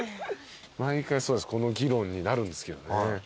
毎回そうですこの議論になるんですけどね。